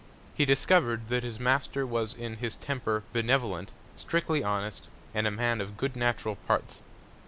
He discover'd, that his Master was in his Temper benevolent, strictly honest, and a Man of good natural Parts.